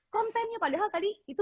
kontennya padahal tadi itu